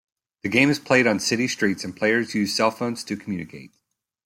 The game is played on city streets and players use cellphones to communicate.